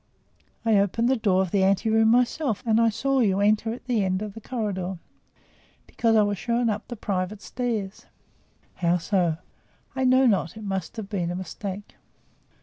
"I opened the door of the ante room myself and I saw you enter at the end of the corridor." "Because I was shown up the private stairs." "How so?" "I know not; it must have been a mistake."